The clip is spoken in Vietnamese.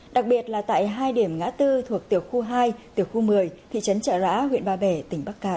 đặc biệt là tại hai điểm ngã tư thuộc tiểu khu hai tiểu khu một mươi thị trấn trợ rã huyện ba bể tỉnh bắc cạn